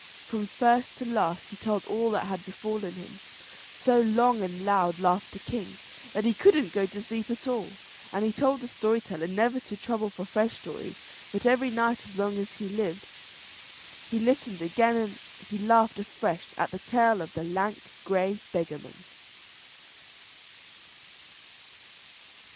From first to last he told all that had befallen him; so long and loud laughed the king that he couldn't go to sleep at all. And he told the story teller never to trouble for fresh stories, but every night as long as he lived he listened again and he laughed afresh at the tale of the lank grey beggarman.